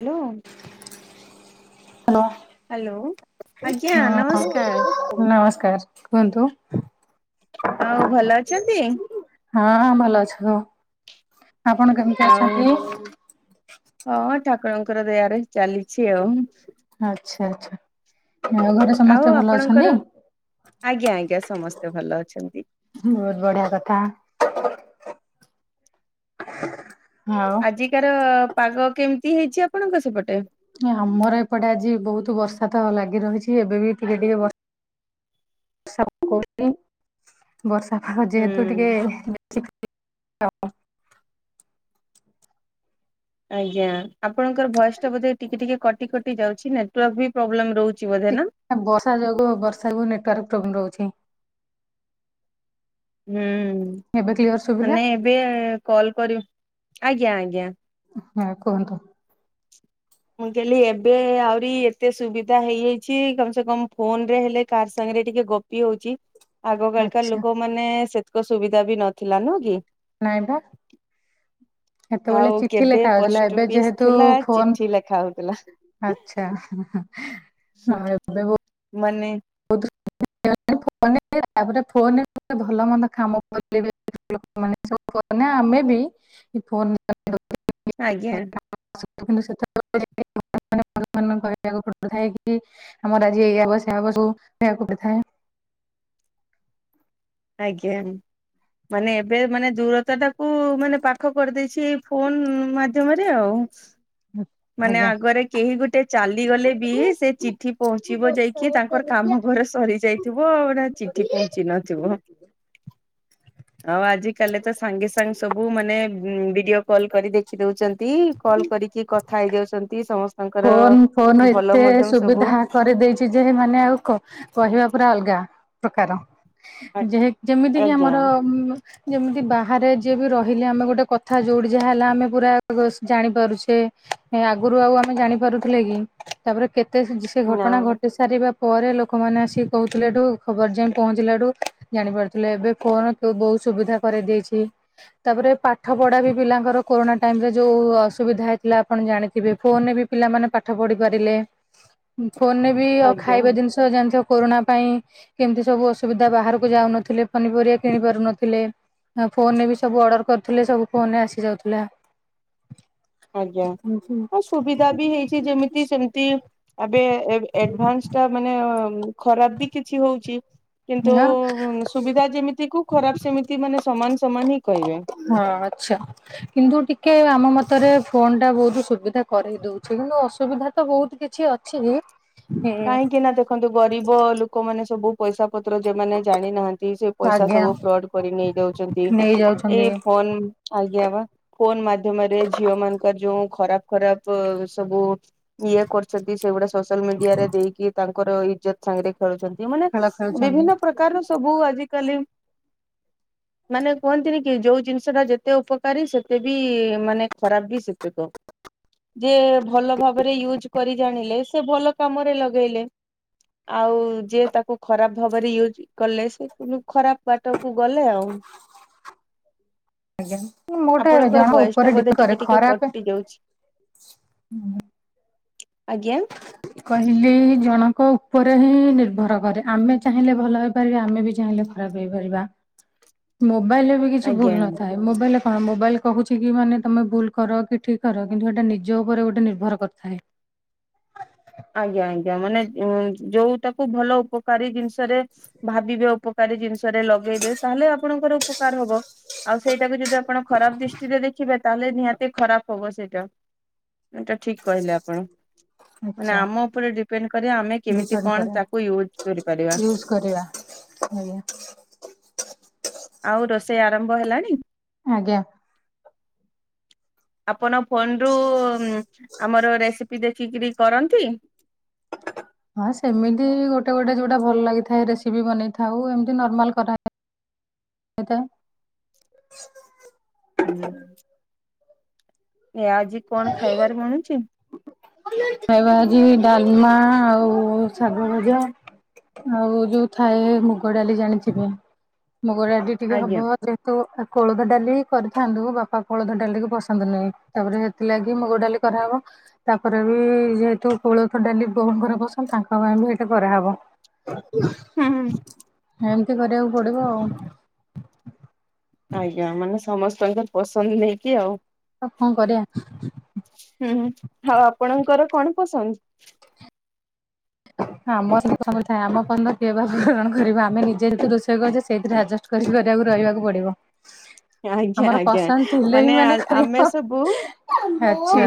Hello. Hello ଆଜ୍ଞା ନମସ୍କାର ହଁ ନମସ କାର କୁହନ୍ତୁ। ଆଉ ଭଲ ଅଛନ୍ତି? ହଁ ଭଲ ଅଛ ସବୁ ଆପଣ କେମିତି ଆଉ ଅଛନ୍ତି? ହଁ ଠାକୁରଙ୍କର ଦୟାରୁ ଏଇ ଚାଲିଛି ଆଉ ହୁଁ। ଆଚ୍ଛା ଆଚ୍ଛା ଆଉ ଘରେ ସମସ୍ତେ ଭଲ ଅଛନ୍ତି? ଆଜ୍ଞା ଆଜ୍ଞା ସମସ୍ତେ ଭଲ ଅଛନ୍ତି। ବହୁତ ବଢିଆ କଥା। ଆଉ ଆଜିକାର ପାଗ କେମିତି ହେଇଛି ଆପଣଙ୍କ ସେପଟେ? ଆମର ଏପଟେ ଆଜି ବହୁତ ବର୍ଷା ତ ଲାଗି ରହିଚି, ଏବେ ବି ଟିକେ ଟିକେ ବର୍ଷା ବର୍ଷା ପକାଉଛି। ବର୍ଷା ପାଗ ଯେହେତୁ ହୁଁ। ଟିକେ [unintelligible] ଆଜ୍ଞା ଆପଣଙ୍କର ଭଏସଟା ବୋଧେ ଟିକେ ଟିକେ କଟି କଟି ଯାଉଛି ନେଟୱର୍କ ବି ପ୍ରୋବ୍ଲେମ ରହୁ ବର୍ଷା ଯୋଗୁଁ ବର୍ଷା କୁ ନେଟୱାର୍କ ପ୍ରୋବ୍ଲ ରହୁଚି। ହୁଁ ଶୁଭିଲା? ମାନେ ଏବେ କଲ କରିବୁ ଆଜ୍ଞା ଆଜ୍ଞା। ହଁ କୁହନ୍ତୁ। ମୁଁ କହିଲି ଏବେ ଆହୁରି ଏତେ ସୁବିଧା ହେଇଯାଇଛି କମ ସେ କମ ଫୋନ ରେ ହେଲେ କାହା ସାଙ୍ଗେ ଟିକେ ଗପି ହଉଚି, ଆଗ କାଳିକା ଆଚ୍ଛା ଲୋକ ମାନେ ସେତକ ସୁବିଧା ବି ନଥିଲା ନୁହଁ କି। ନାଇଁ ବା। ସେତେବେଳେ ଆଉ ଚିଠି କେବେ ଲେଖା ହଉଥିଲା ପୋଷ୍ଟ ଏବେ ଅଫିସ ଯେହେତୁ ଥିଲା ଚିଠି ଲେଖା ହଉଥିଲା ଫୋନ ଆଛା ହୁଁ ହୁଁ ଉଁ ଏବେ ବୋ ମାନେ [unintelligible] [unintelligible] ତା ପରେ ଫୋନ ରେ ଭଲ ମନ୍ଦ କାମ। [unintelligible] ମାନେ ଆମେ ବି। [unintelligible] ଆଜ୍ଞା। [unintelligible] [unintelligible] ଆମର ଆଜି ଏଆ ହବ ସେଆ ହବ ସବୁ। [unintelligible] ଆଜ୍ଞା। ମାନେ ଏବେ ମାନେ ଦୂରତା ଟାକୁ ମାନେ ପାଖ କରିଦେଇଛି ଫୋନ୍ ମାଧ୍ୟମରେ ଆଉ। [inaudible] ମାନେ ଆଜ୍ଞା। ଆଗରେ କେହି ଗୋଟେ ଚାଲିଗଲେ ବି ସେ ଚିଠି ପହଞ୍ଚିବ ଯାଇକି ତାଙ୍କର କାମ ରେ ସରିଯାଇଥିବ ହେଟା ଚିଠି ପହଞ୍ଚି ନଥିବ। ଆଉ ଆଜି କାଲି ତ ସାଙ୍ଗେ ସାଙ୍ଗେ ସବୁ ମାନେ ଉଁ ଭିଡିଓ କଲ କରି ଦେଖି ଦୋଉଚନ୍ତି କଲ କରିକି କଥା ହେଇଯାଉଛନ୍ତି ଫୋନ ଫୋନ ଭଲ ଏତେ ମଧ୍ୟ ସବୁ ସୁବିଧା କରିଦେଇଛି ଯେ ମାନେ ଆଉ କହିବା ପୁରା ଅଲଗା। ପ୍ରକାର ଯେହେ ଯେମିତି କିି ଆଜ୍ଞା ଆମର ଉଁ ଯେମିତି ବାହାରେ ଯିଏ ବି ରହିଲେ ଆମେ ଗୋଟେ କଥା ଯେଉଁଠି ଯାହା ହେଲା ଆମେ ପୁରା ଆଗସ୍ ଜାଣିପାରୁଛେ। କାଇଁ ଆଗରୁ ଆଉ ଆମେ ଜାଣିପାରୁଥିଲେ କି ତାପରେ କେତେ ସେ ନା ଘଟଣା ଘଟି ସାରିବା ପରେ ଲୋକୋମାନେ ଆସିକି କୋହୁଥିଲାଠୁ ଖବର ଯାଇ ପହଞ୍ଚିଲା ଠୁ ଜାଣିପାରୁଥିଲେ ଏବେ ଫୋନୋ ତ ବୋହୁତ ସୁବିଧା କରେଇ ଦେଇଛି ତାପରେ ପାଠ ପଢା ବି ପିଲାଙ୍କର କୋରୋନା ଟାଇମ୍ ରେ ଯୋଉ ଅସୁବିଧା ହେ ଥିଲା ଆପଣ ଜାଣିଥିବେ। ଫୋନ ରେ ବି ପିଲାମାନେ ପାଠ ପଢି ପାରିଲେ, ଫୋନ ରେ ବି ଆଜ୍ଞା ଖାଇବା ଜିନିଷ ଜାଣିଥିବ କୋରୋନା ପାଇଁ କେମିତି ସବୁ ଅସୁବିଧା ବାହାରକୁ ଯାଉନଥୁଲେ ପନିପରିବା କିଣି ପାରୁନଥିଲେ। ତା ଫୋନ ରେ ବି ସବୁ ଅର୍ଡର କରୁଥିଲେ ସବୁ ଫୋନ ରେ ଆସି ଯାଉଥିଲା। ଆଜ୍ଞା ହଁ ହସ୍ ସୁବିଧା ବି ହେଇଛି ଯେମିତି ସେମିତି ଆବେ ଏବ୍ ଏଡଭାନ୍ସ ଟା ମାନେ ଅଁ ଖରାପ ବି କିଛି ହଉଛି। କିନ୍ତୁ ସୁବିଧା ଯେମିତି କୁ ଖରାପ ସେମିତି ମାନେ ସମାନ ସମାନ ହିଁ କହିବେ। ହଁ ଆଚ୍ଛା କିନ୍ତୁ ଟିକେ ଆ ଆମ ମତରେ ଫୋନ୍ ଟା ବୋହୁତୁ ସୁବିଧା କରେଇ ଦୋଉଛି କିନ୍ତୁ ଅସୁବିଧା ତ ବୋହୁତ କିଛି ଅଛିକି। କାହିଁକି ନା ଦେଖନ୍ତୁ ଗରିବ ଲୋକୋମାନେ ସବୁ ପଇସା ପତ୍ର ଯେମାନେ ଜାଣି ନାହାନ୍ତି ସେ ପଇସା ଆଜ୍ଞା ସବୁ ଫ୍ରଡ କରି ନେଇ ଯାଉଛନ୍ତି ନେଇଯାଉଛନ୍ତି ଏଇ ଫୋ ଆଜ୍ଞା ବା। ଫୋନ ମାଧ୍ୟମରେ ଝିଅ ମାନଙ୍କର ଯୋଉ ଖରାପ- ଖରାପ ସବୁ ଇଏ କରୁଚନ୍ତି ସେଗୁଡା ସୋଶାଲ୍ ମିଡିଆରେ। ଦେଇକି ତାଙ୍କର ଇଜ୍ଜତ ସାଙ୍ଗରେ ଖେଳୁଛନ୍ତି ମାନେ, ଖେଳ ଖେଳୁଛନ୍ତି ବିଭିନ୍ନ ପ୍ରକାରର ସବୁ ଆଜି କାଲି। ମାନେ କୁହନ୍ତିନି କି, ଯୋଉ ଜିନିଷ ଟା ଯେତେ ଉପକାରୀ ସେତେ ବି ମାନେ, ଖରାପ ବି ସେତକ। ଯେ ଭଲ ଭାବରେ ୟୁଜ କରି ଜାଣିଲେ ସେ ଭଲ କାମରେ ଲଗେଇଲେ। ଆଉ ଯିଏ ତାକୁ ଖରାପ ଭାବରେ ୟୁଜ କଲେ ସେ ଖରାପ ବାଟକୁ ଗଲେ ଆଉ। ହଁ। ଆଜ୍ଞା। ମୋଟା ଆପଣଙ୍କର ଜଣ ଭଏସ ଟା ଉପରେ ବୋଧେ ଡିପେ ଟିକେ କରେ ଟିକେ ଖରାପ କଟି ଯାଉଛି ଆଜ୍ଞା। କହିଲି ଜଣଙ୍କ ଉପରେ ହିଁ ନିର୍ଭର କରେ ଆମେ ଚାହିଁଲେ ଭଲ ହେଇପାରିବା ଆମେ ବି ଚାହିଁ ଚାହିଁଲେ ଖରାପ ହୋଇ ପାରିବା, ମୋବାଇଲ ର କିଛି ବି ଆଜ୍ଞା ଭୂଲ ନଥାଏ ମୋବାଇଲ ହଁ ମୋବାଇଲ କହୁଚି କି ମାନେ ତମେ ଭୁଲ କର କି ଠିକ କର କିନ୍ତୁ ଏଇଟା ନିଜ ଉପରେ ଗୋଟେ ନିର୍ଭର କରିଥାଏ। [inaudible] ଆଜ୍ଞା ଆଜ୍ଞା ମାନେ ଉ ଯୋଉଟାକୁ ଭଲ ଉପକାରୀ ଜିନିଷରେ ଭାବିବେ ଉପ ଉପକାରୀ ଜିନିଷରେ ଲଗେଇବେ ତାହେଲେ ଆପଣଙ୍କର ଉପକାର ହବ ଆଉ ସେଇଟାକୁ ଯଦି ଆ ଆପଣ ଖରାପ ଦୃଷ୍ଟିରେ ଦେଖିବେ। ତାହେଲେ ନିହାତି ଖରାପ ହବ ସେଇଟା ଏଟା ଠିକ କହିଲେ ଆପଣ। ମାନେ ଆଚ୍ଛା ଆମ ଉପରେ ଡିପେଣ୍ଡ କରିବା ଆମେ କେମିତି ଡିପେଣ୍ଡ କଣ କରେ ତାକୁ ୟୁଜ୍ କରିପାରିବା। ୟୁଜ କରିବା ଆଜ୍ଞା। ଆଉ ରୋଷେଇ ଆରମ୍ଭ ହେଲାଣି? ଆଜ୍ଞା। ଆପଣ ଫୋନରୁ ଆମର ରେସିପି ଦେଖିକି କରନ୍ତି? [inaudible] ହଁ ସେମିତି ଗୋଟେ ଗୋଟେ ଯୋଉଟା ଭଲ ଲାଗିଥାଏ ରେସିପି ବନେଇଥାଉ ଏମିତି ନର୍ମାଲ କରାଏ। ତ। ହୁଁ। ଏ ଆଜି କଣ ଖାଇବାର ବଣୁଚି? ଖାଇବା ହଉଚି ଡାଲମା ଆଉ ଶାଗ ଭଜା। ଆଉ ଯୋଉ ଥାଏ ମୁଗ ଡାଲି ଜାଣିଥିବେ। ମୁଗ ଡାଲି ଟିକେ ହବ ଆଜ୍ଞା। ଯେହେତୁ କୋଳଥ ଡାଲି କରିଥାନ୍ତୁ ବାପା କୋଳଥ ଡାଲିିକି ପସନ୍ଦ ନାହିଁ ତାପରେ ସେଥିଲାଗି ମୁଗ ଡାଲି କରାହବ ତା ତାପରେ ବି ଯେହେତୁ କୋଳଥ ଡାଲି ବୋଉଙ୍କର ପସନ୍ଦ ତାଙ୍କ ପାଇଁ ବି ଏଇଠି କରାହେବ। ଉ ହୁଁ। ଏମିତି କରିବାକୁ ପଡିବ ଆଉ। ଆଜ୍ଞା ମାନେ ସମସ୍ତଙ୍କର ପସନ୍ଦ ନେଇକି ଆଉ। ଆଉ କଣ କରିବା ହୁଁ ଆଉ ଆପଣଙ୍କର? କଣ ପସନ୍ଦ? ଆମର ସନ୍ଦ ଥାଏ ଆମ କଣ କିଏ ବା ପୂରଣ କରିବ, ଆମେ ନିଜେ ନିଜେ ଦୋଷ କହୁଚି ସେଇଥିରେ ଆଡ଼ଜଷ୍ଟ କରିକି ରହିବାକୁ ପଡିବ। ଆଜ୍ଞା ଆମର ଆଜ୍ଞା ପସନ୍ଦ ଥିଲେ ବି ମାନେ ଆ କରିବ। ଆମେ ସବୁ ଆଚ୍ଛା।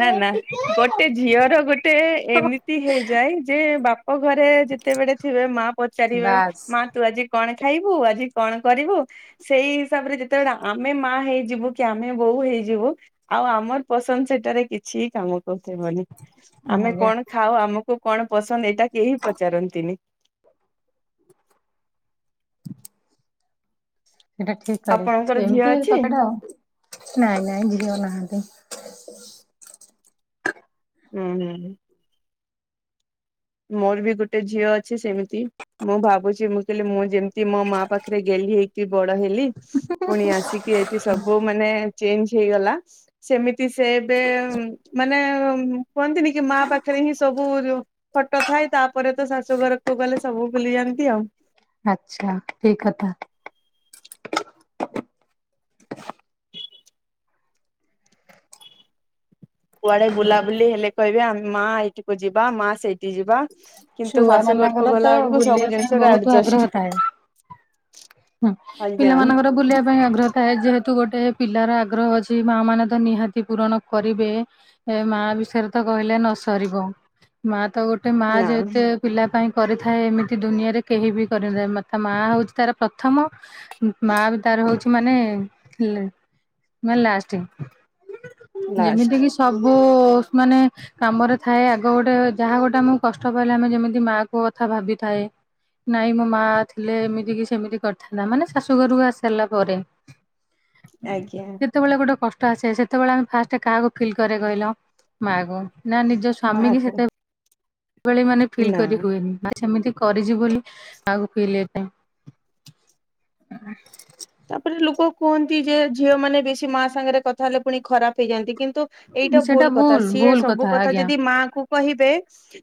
ନା ନା ଗୋଟେ ଝିଅର ଗୋଟେ ଏମିତି ହେଇଯାଏ ଯେ ବାପ ଘରେ ଯେତେବେଳେ ଥିବେ ମା ପଚାରିବେ ବାସ୍ ମା ତୁ ଆଜି କଣ ଖାଇବୁ ଆଜି କଣ କରିବୁ ସେଇ ହିସାବରେ ଯେତେବେଳେ ଆମେ ମା ହେଇଯିବୁ କି ଆମେ ବୋହୂ ହେଇଯିବୁ ଆଉ ଆମର ପସନ୍ଦ ସେଠାରେ କିଛି ଠିକାମ। କହିବନି ଆମେ ଆଜ୍ଞା କଣ ଖାଉ ଆମକୁ କଣ ପସନ୍ଦ ଏଇଟା କେହି ପଚାରନ୍ତିନି। ସେଇଟା ଠିକ କରି ଆପଣଙ୍କର ଝିଅ ଏମିତି ଅଛି? କଥାଟା ଆଉ ନାଇଁ ନାଇଁ ଝିଅ ନାହାନ୍ତି। [inaudible] ହୁଁ ହୁଁ। ମୋର ବି ଗୋଟେ ଝିଅ ଅଛି ସେମିତି ମୁଁ ଭାବୁଛି ମୁଁ କହିଲି ମୁଁ ଯେମିତି ମୋ ମା ପାଖରେ ଗେହ୍ଲି ହେଇକି ବଡ଼ ହେଲି ପୁଣି ଆସିକି ଏଠି ସବୁ ମାନେ ଚେନ୍ଜ୍ ହେଇଗଲା ସେମିତି ସେ ଏବେ ମାନେ କୁହନ୍ତିନି କି ମା ପାଖରେ ହିଁ ସବୁ ଫଟ ଥାଏ ତାପରେ ତ ଶାଶୁ ଘରକୁ ଗଲେ ସବୁ ଭୁଲିଯାନ୍ତି ଆଉ। ଠିକ୍ କଥା। କୁଆଡେ ବୁଲାବୁଲି ହେଲେ କହିବେ ଆମେ ମା ଏଇଠିକୁ ଯିବା ମା ସେଇଠି ଯିବା। କିନ୍ତୁ ଛୁଆ ଶାଶୁ ଘରକୁ ମାନଙ୍କର ଗଲା ତ ବେଳକୁ ସବୁ ବୁଲିବା ପାଇଁ ଜିନିଷରେ ବହୁତ ଆଡଜଷ୍ଟ ଆଗ୍ରହ ଥାଏ। ହଁ ଆଜ୍ଞା ପିଲାମାନାନଙ୍କର ବୁଲିବା ପାଇଁ ଅଗ୍ରହ ଥାଏ ଯେହେ ଯେହେତୁ ଗୋଟେ ପିଲାର ଆଗ୍ରହ ଅଛି ମା ମାନେ ତ ନିହାତି ପୂରଣ କରିବେ ମା ବିଷୟରେ ତ କହିଲେ ନ ସରିବ ମା ତ ଗୋଟେ ମା ନା ଯେତ ପିଲା ପାଇଁ କରିଥାଏ ଏମିତି ଦୁନିଆରେ କେହି ବି କରିନାଥାନ୍ତି ମ ତା ମା ହଉଛି ତାର ପ୍ରଥମ ମା ବି ତାର ହଉଛି ମାନେ ମାନେ ଲାଷ୍ଟ କି ଲାଷ୍ଟ। ଯେମିତି କିି ସବୁ ମାନେ କାମରେ ଥାଏ ଆଗ ଗୋଟେ ଯାହା ଗୋଟେ ଆମକୁ କଷ୍ଟ ପାଇଲେ ଆମେ ଯେମିତି ମାଆ କୁ କଥା ଭାବିଥାଏ ନାଇଁ ମୋ ମା ଥିଲେ ଏମିତି କି ସେମତି କରିଥାନ୍ତା ମାନେ ଶାଶୁଘରକୁ ଆସାରିଲା ପରେ ଆଜ୍ଞା ଯେତେବେଳେ ଗୋଟେ କଷ୍ଟ [unintelligible] ସେତେବେଳେ ଆମେ ଫାଷ୍ଟ କାହାକୁ ଫିଲ୍ କରେ କହିଲ ମାଆ କୁ। ନା ନିଜ ସ୍ୱାମୀ ମା କି କୁ ସେତେ ଳି ମାନେ ଫିଲ୍ ନା କରି ହୁଏନି। ସେମିତି କରିଛି ବୋଲି ଆଗକୁ [unintelligible] ତାପରେ ଲୋକ କୁହନ୍ତି ଯେ ଝିଅ ମାନେ ବେଶୀ ମା ସାଙ୍ଗରେ କଥା ହେଲେ ପୁଣି ଖରାପ ହେଇଯାଆନ୍ତି କିନ୍ତୁ ଏଇଟା ସେଟା ଭୁଲ କଥା ସିଏ ଭୁଲ ସବୁ କଥା ଆଜ୍ଞା ଯଦି ମା କୁ କହିବେ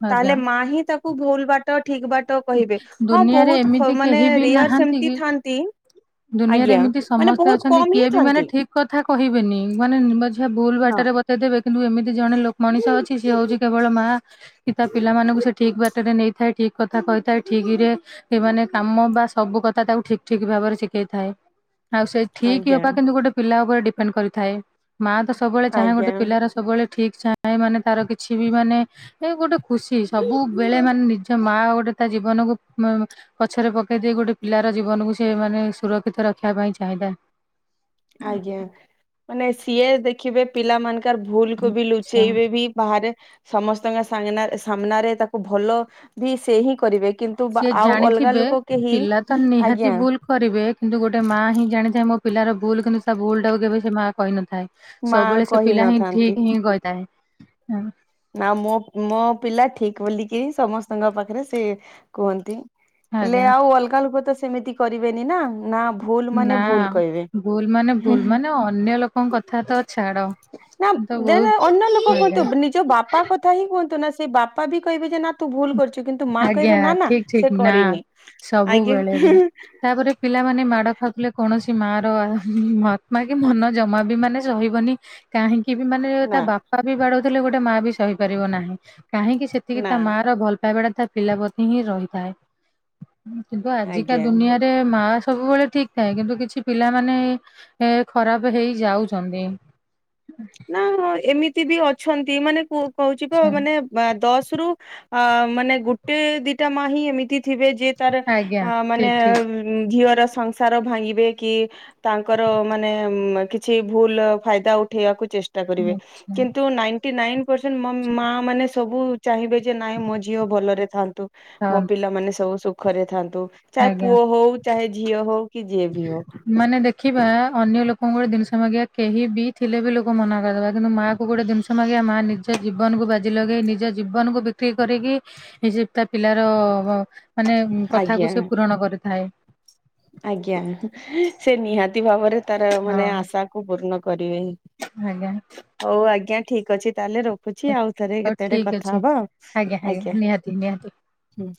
ଆଜ୍ଞା। ତାହେଲେ ମା ହିଁ ତାକୁ କୁ ଭୁଲ ବାଟ ଠିକ ବାଟ କହିବେ ହଁ ଦୁନିଆରେ ବହୁତ ଏମିତି ମାନେ କେହି ବି ରେୟର ନାହାନ୍ତି ସେମିତି କି ଥାନ୍ତି। ଦୁନିଆରେ ଆଜ୍ଞା ଏମିତି ମାନେ ସମସ୍ତେ ବହୁତ ଅଛନ୍ତି କମ ହିଁ କିଏ ବି ମାନେ ଥାନ୍ତି। ଠିକ କଥା କହିବେନି ମାନେଝିଆ ଭୁଲ ହଁ ବାଟରେ ବତେଇଦେବେ। କିନ୍ତୁ ଏମିତି ଜଣେ ଲ ମଣିଷ ଅଛି ସିଏ ହଉଛି କେବଳ ମା କି ତା ପିଲାମାନଙ୍କୁ ସେ ଠିକ ବାଟରେ ନେଇଥାଏ ଠିକ ଠିକ୍ କଥା କହିଥାଏ ଠିକ୍ ରେ ମାନେ କାମ ବା ସବୁ କଥା ତାକୁ ଠିକ୍ ଠିକ୍ ଭାବରେ ଶି ହେଇଥାଏ ଆଉ ସେ ଠିକ୍ ଆଜ୍ଞା। ହବା କିନ୍ତୁ ଗୋଟେ ପିଲା ଉପରେ ଡିପେଣ୍ଡ କରିଥାଏ। ମା ତ ସବୁବେଳେ ଚାହେଁ ଗୋଟେ ଆଜ୍ଞା ପିଲାର ସବୁବେଳେ ଠିକ ଚାଏଁ ମାନେ ତାର କିଛି ବି ମାନେ ଏ ଗୋଟେ ଖୁସି ସବୁବେଳେ ମାନେ ନିଜ ମା ଗୋଟେ ତା ଜୀବନକୁ ପଛରେ ପକେଇ ଦେଇେଇ ଗୋଟେ ପିଲାର ଜୀବନକୁ ସେ ମାନେ ସୁରକ୍ଷିତ ରଖିବା ପାଇଁ ଚାହିଁଥାଏ। ଆଜ୍ଞା ମାନେ ସିଏ ଦେଖିବେ ପିଲା ମନ୍ ତାର ଭୁଲ କୁ ବି ଆଛା ଲୁଚେଇବେ ବି ବାହାରେ। ସମସ୍ତଙ୍କ ସାଗ୍ନାରେ ସାମ୍ନାରେ ତାକୁ ଭଲ ବି ସେ ହିଁ କରିବେ। କିନ୍ତୁ ବା ସିଏ ଆଉ ଅଲଗା ଜାଣିଥିବେ ଲୋକ କେହି ପିଲା ତ ନିହାତି ଆଜ୍ଞା ଭୁଲ୍ କରିବେ କିନ୍ତୁ ଗୋଟେ ମା ହିଁ ଜାଣିଥାଏ ମୋ ପିଲାର ଭୁଲ କିିନ୍ତୁ ଭୁଲ୍ଟା କେବେ ସେ ମା କହିନଥାଏ। ମା ସବୁବେଳେ ସେ ପିଲା ହିଁ କହିନଥାନ୍ତି। ଠିକ୍ ହିଁ କହିଥାଏ। ନା ମୋ ମୋ ପିଲା ଠିକ୍ ବୋଲିକି ହି ସମସ୍ତଙ୍କ ପାଖରେ ସେ କୁହନ୍ତି। ହେଲେ ଆଜ୍ଞା। ଆଉ ଅଲଗା ଲୋକ ତ ସେମିତି କରିବେନି ନା। ନା ଭୁଲ ମାନେ ନା ଭୁଲ କହିବେ। ଭୁଲ୍ ମାନେ ହୁଁ ଭୁଲ୍ ହୁଁ ମାନେ ଅନ୍ୟ ଲୋକଙ୍କ କଥା ତ ଛାଡ ନା ତ ଦେ ବହୁତ ଅନ୍ୟ ଲୋକ କୁହନ୍ତୁ ଆଜ୍ଞା ନିଜ ବାପା କଥା ହିଁ କୁହନ୍ତୁ ନା ସେଇ ବାପା ବି କହିବେ ଯେ ନା ତୁ ଭୁଲ କରିଚୁ। କିନ୍ତୁ ମା ଆଜ୍ଞା କହିବେ ନା ନା ଠିକ ଠିକ ସେ ନା କରିନି ଆଜ୍ଞା। ସବୁବେଳେ ବି ତାପରେ ପିଲାମାନେ ମାଡ଼ ଖାଉଥିଲେ କୌଣସି ମା ର ମହାତ୍ମା କି ମନ ଜମା ବି ମାନେ ସହିବନି କାହିଁକି କି ମାନେ ନା ତା ବାପା ବି ବାଡଉଥିଲେ ଗୋଟେ ମା ବି ସହିପାରିବ ନାହିଁ କାହିଁକି ସେତିକି ନା ତା ମା ର ଭଲ ପାଇବାଟା ତା ପିଲା ପ୍ରତି ହିଁ ରହିଥାଏ। କିନ୍ତୁ ଆଜିକା ଆଜ୍ଞା ଦୁନିଆରେ ମା ସବୁବେଳେ ଠିକ ଥାଏ କିନ୍ତୁ କିଛି ପିଲାମାନେ ଏ ଖରାପ ହେଇ ଯାଉଛନ୍ତି। ନା ହଁ ଏମିତି ବି ଅଛନ୍ତି ମାନେ କ କହୁଛି ବା ମାନେ ଦଶ ମାନେ ଗୋଟେ ଦିଟା ମା ହିଁ ଏମିତି ଥିବେ ଯେ ତାର ଆଜ୍ଞା ମାନେ ଠିକ ଠିକ ଘିଅର ସଂସାର ଭାଙ୍ଗିବେ କି ତାଙ୍କର ମାନେ କିଛି ଭୁଲ ଫାଇଦା ଉଠେଇବାକୁ। ଆଛା [unintelligible] ସବୁ ଚାହିଁବେ ଯେ ନାଇଁ ମୋ ଝିଅ ଭଲରେ ଥାନ୍ତୁ ମୋ ଖାଆନ୍ତୁ ପିଲାମାନେ ସବୁ ସୁଖରେ ଥା ନ୍ତୁ ଆଜ୍ଞା ପୁଅ ହଉ ଚାହେ ଝିଅ ହଉ କି ବି। ମାନେ ଦେଖିବା ଅନ୍ୟ [unintelligible] କେହି ବି ଥିଲେ ବି ଲୋକ ମନା କରିଦବା କିନ୍ତୁ ମାଆ କୁ ଗୋଟେ ଜିନିଷ ମାଗିବା ମା ନିଜ ଜୀବନକୁ ବାଜି ଲଗେଇ ନିଜ ଜୀବନକୁ ବିକ୍ରି କରିକି ଏ ତା ପିଲାର ମାନେ କଥାକୁ ଆଜ୍ଞା ସେ ପୂରଣ କରିଥାଏ। ଆଜ୍ଞା ସେ ନିହାତି ଭାବରେ ତାର ହଁ ମାନେ ଆଶା କ ପୂର୍ଣ କରିବେ ଆଜ୍ଞା ହଉ ଆଜ୍ଞା ଠିକ ଅଛି। ତାହେଲେ ରଖୁଛି ଆଉ ଥରେ ହଉ କେତେ ଗଟେ ଠିକ କଥା ଅଛି ହବ ଆ ଆଜ୍ଞା। ହୁଁ।